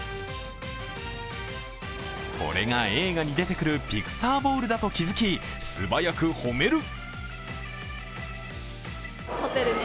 これが、映画に出てくるピクサー・ボールだと気づき、素早く褒める。